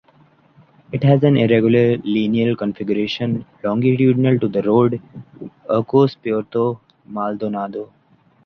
It has an irregular lineal configuration, longitudinal to the road, Urcos Puerto Maldonado.